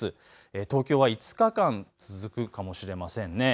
東京は５日間、続くかもしれませんね。